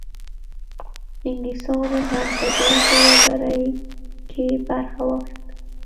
انګلیسانو هم په دې سوداګرۍ کې برخه واخیسته.